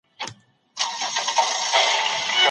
ایا تاسو هره ورځ ځان مینځئ؟